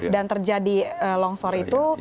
dan terjadi longsor itu